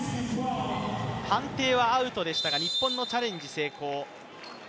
判定はアウトでしたが日本のチャレンジ成功。